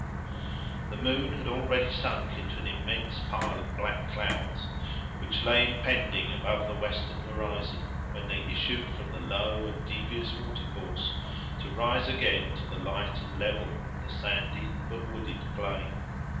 The moon had already sunk into an immense pile of black clouds, which lay impending above the western horizon, when they issued from the low and devious water course to rise again to the light and level of the sandy but wooded plain.